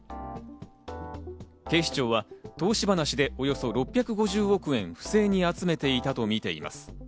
警視庁は投資話でおよそ６５０億円不正に集めていたとみています。